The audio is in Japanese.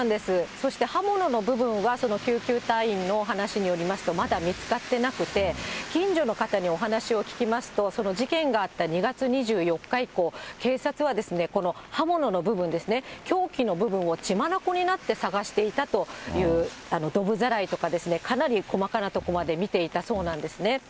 そして刃物の部分はその救急隊員の話によりますと、まだ見つかってなくて、近所の方にお話を聞きますと、事件があった２月２４日以降、警察はこの刃物の部分ですね、凶器の部分を血まなこになって探していたという、どぶざらいとかですね、かなり細かな所まで見ていたそうなんですね。